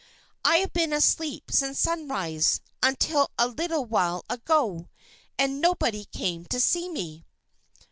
"I've been asleep since sunrise until a little while ago. And nobody came to see me."